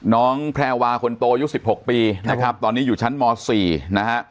แพรวาคนโตอายุ๑๖ปีนะครับตอนนี้อยู่ชั้นม๔นะฮะ